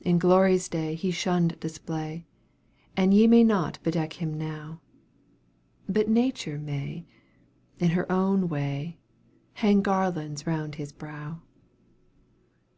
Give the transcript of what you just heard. In glory's day he shunned display, And ye may not bedeck him now, But Nature may, in her own way, Hang garlands round his brow.